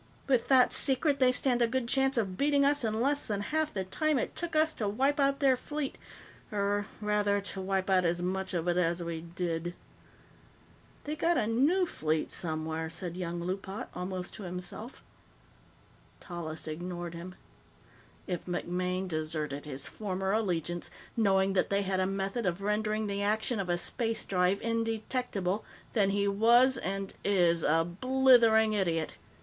With that secret, they stand a good chance of beating us in less than half the time it took us to wipe out their fleet or, rather, to wipe out as much of it as we did." "They got a new fleet somewhere," said young Loopat, almost to himself. Tallis ignored him. "If MacMaine deserted his former allegiance, knowing that they had a method of rendering the action of a space drive indetectable, then he was and is a blithering idiot.